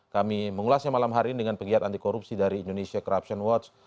kami mengulasnya malam hari ini dengan pegiat anti korupsi dari indonesia corruption watch